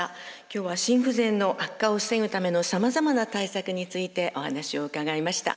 今日は心不全の悪化を防ぐためのさまざまな対策についてお話を伺いました。